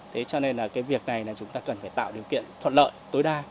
thế cho nên là việc này chúng ta cần phải tạo điều kiện thuận lợi tối đa